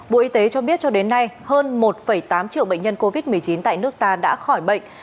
bộ y tế cho biết cho đến nay hơn một tám triệu bệnh nhân covid một mươi chín tại nước ta đã khỏi bệnh